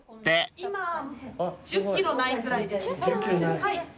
今１０ｋｇないぐらいです。